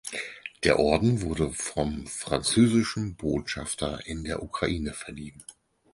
Der Orden wurde vom französischen Botschafter in der Ukraine verliehen.